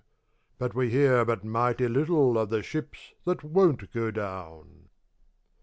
But we hear but mighty little Of the ships that won't go down.